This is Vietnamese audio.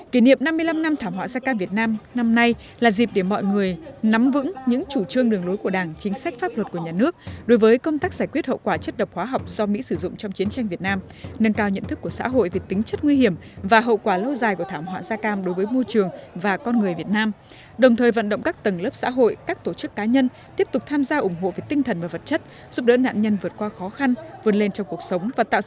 kỷ niệm năm mươi năm năm thảm họa da cam việt nam năm nay là dịp để mọi người nắm vững những chủ trương đường lối của đảng chính sách pháp luật của nhà nước đối với công tác giải quyết hậu quả chất độc hóa học do mỹ sử dụng trong chiến tranh việt nam nâng cao nhận thức của xã hội về tính chất nguy hiểm và hậu quả lâu dài của thảm họa da cam đối với môi trường và con người việt nam đồng thời vận động các tầng lớp xã hội các tổ chức cá nhân tiếp tục tham gia ủng hộ về tinh thần và vật chất giúp đỡ nạn nhân vượt qua khó khăn vươn lên trong cuộc sống và tạo